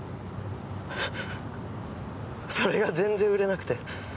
それが全然売れなくて。